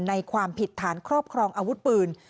ความผิดฐานครอบครองอาวุธปืน